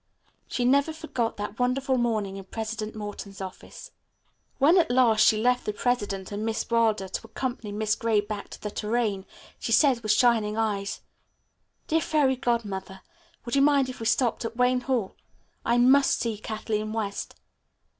She never forgot that wonderful morning in President Morton's office. When at last she left the president and Miss Wilder, to accompany Mrs. Gray back to the Tourraine, she said with shining eyes, "Dear Fairy Godmother, would you mind if we stopped at Wayne Hall. I must see Kathleen West."